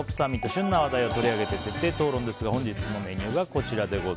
旬な話題を取り上げて徹底討論ですが本日のメニューがこちら。